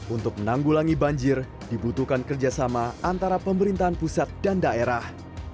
untuk menanggulangi banjir dibutuhkan kerjasama antara pemerintahan pusat dan daerah